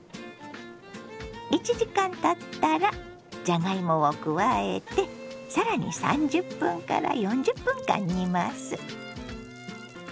１時間たったらじゃがいもを加えて更に３０分から４０分間煮ます。